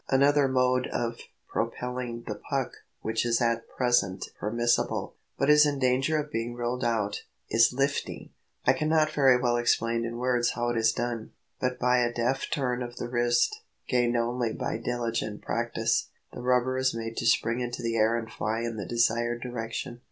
Another mode of propelling the puck which is at present permissible, but is in danger of being ruled out, is "lifting." I cannot very well explain in words how it is done; but by a deft turn of the wrist, gained only by diligent practice, the rubber is made to spring into the air and fly in the desired direction.